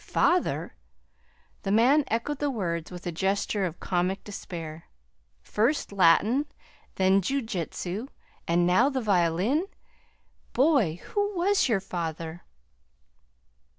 "'Father'!" The man echoed the word with a gesture of comic despair. "First Latin, then jiujitsu, and now the violin! Boy, who was your father?"